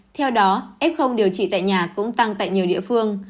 theo đó f điều trị tại nhà cũng tăng tại nhiều địa phương